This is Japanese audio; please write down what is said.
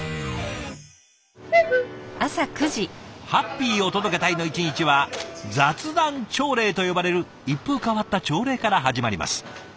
ハッピーお届け隊の一日は雑談朝礼と呼ばれる一風変わった朝礼から始まります。